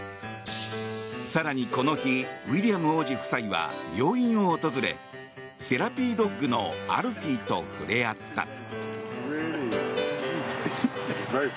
更にこの日ウィリアム王子夫妻は病院を訪れセラピードッグのアルフィーと触れ合った。